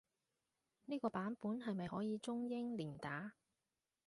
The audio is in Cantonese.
呢個版本係咪可以中英連打？